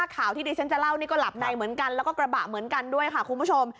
ข่าวที่ดิฉันจะเล่านี่ก็หลับในเหมือนกันแล้วก็กระบะเหมือนกันด้วยค่ะคุณผู้ชม